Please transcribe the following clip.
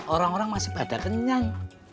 orang orang masih pada kenyang